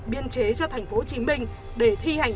biên chế cho tp hcm để thi hành